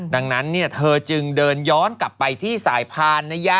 ดังนั้นเธอจึงเดินย้อนกลับไปที่สายพาน